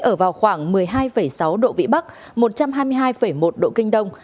ở vào khoảng một mươi hai sáu độ vĩ bắc một trăm hai mươi hai một độ kinh đông